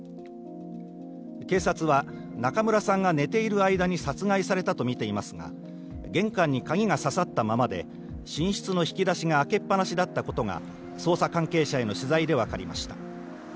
警察は中村さんが寝ている間に殺害されたと見ていますが、玄関に鍵がささったままで、寝室の引き出しが開けっ放しだったことが、捜査関係者への取材で分かりました。